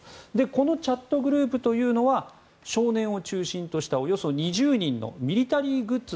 このチャットグループというのは少年を中心としたおよそ２０人のミリタリーグッズ